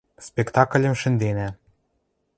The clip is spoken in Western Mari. Спектакльым шӹнденӓ...